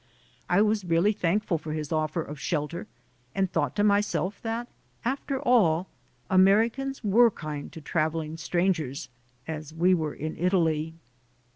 I was really thankful for his offer of shelter and thought to myself that after all Americans "were kind to travel ing strangers, as we were in Italy.